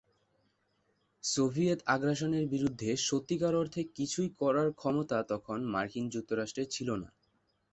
Soviet আগ্রাসনের বিরুদ্ধে সত্যিকার অর্থে কিছুই করার ক্ষমতা তখন মার্কিন যুক্তরাষ্ট্রের ছিল না।